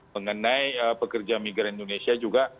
mengenai pekerja migran indonesia juga